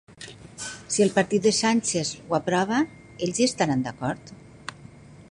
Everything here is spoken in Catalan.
Si el partit de Sánchez ho aprova, ells hi estaran d'acord?